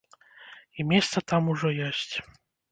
І месца там ужо ёсць.